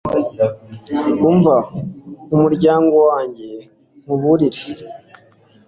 umva, muryango wanjye, nkuburire